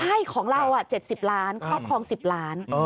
ใช่ของเรา๗๐ล้านครอบครอง๑๐ล้าน